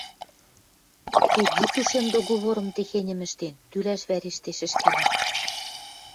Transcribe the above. — Кредит ушем договорым техеньӹм ӹштен, тӱлӓш вӓрештеш ӹшкӓлӓ.